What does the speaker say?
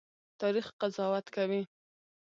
تاریخ قضاوت کوي